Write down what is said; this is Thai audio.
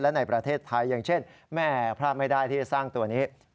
และในประเทศไทยอย่างเช่นแม่พลาดไม่ได้ที่จะสร้างตัวนี้